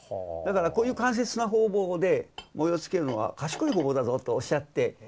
だからこういう間接な方法で模様をつけるのはかしこい方法だぞとおっしゃって。